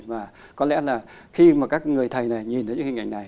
và có lẽ là khi mà các người thầy này nhìn thấy những hình ảnh này